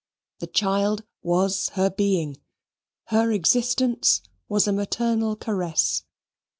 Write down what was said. This child was her being. Her existence was a maternal caress.